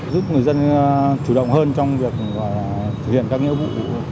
giúp người dân chủ động hơn trong việc thực hiện các nghĩa vụ